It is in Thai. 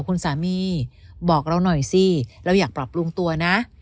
คุณสามีบอกเราหน่อยสิเราอยากปรับปรุงตัวนะ